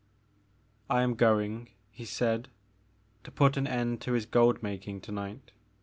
*' I am going," he said, to put an end to his gold making to night.